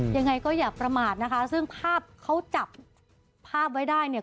ยังไงก็อย่าประมาทนะคะซึ่งภาพเขาจับภาพไว้ได้เนี่ย